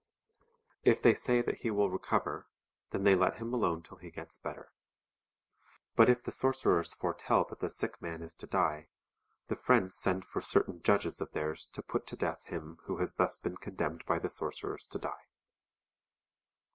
If they say that he will recover, then they let him alone till he gets better. But if the sorcerers foretell that the sick man is to die, the friends send for certain judges of theirs to put to death him who has thus been condemned by the sorcerers to die.